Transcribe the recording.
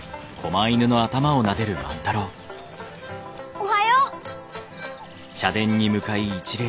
おはよう！